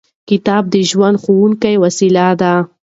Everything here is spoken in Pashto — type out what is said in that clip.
کتاب د ژوند ښوونکې وسیله ده.